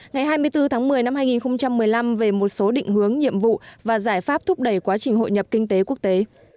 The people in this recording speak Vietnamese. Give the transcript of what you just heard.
ngày hai mươi bốn tháng một mươi năm hai nghìn một mươi năm về một số định hướng nhiệm vụ và giải pháp thúc đẩy quá trình hội nhập kinh tế quốc tế